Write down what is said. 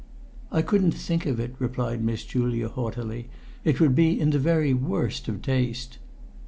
"I couldn't think of it," replied Miss Julia, haughtily. "It would be in the very worst of taste."